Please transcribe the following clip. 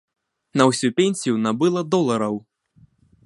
На ўсю пенсію набыла долараў.